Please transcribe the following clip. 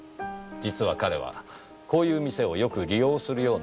実は彼はこういう店をよく利用するような人だった。